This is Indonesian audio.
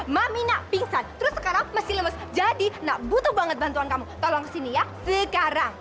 mami nak pingsan terus sekarang mesti lemes jadi nak butuh banget bantuan kamu tolong kesini ya sekarang